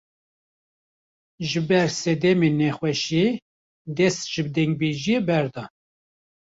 Ji ber sedemên nexweşiyê, dest ji dengbêjiyê berda